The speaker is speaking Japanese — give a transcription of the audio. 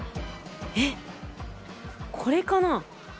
えっこれかな？